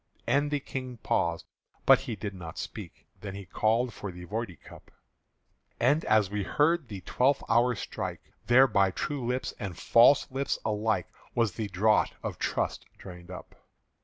'" And the King paused, but he did not speak. Then he called for the Voidee cup: And as we heard the twelfth hour strike, There by true lips and false lips alike Was the draught of trust drained up.